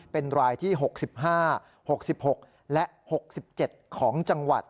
เป็นรายที่๖๕๖๖และ๖๗ของจังหวัด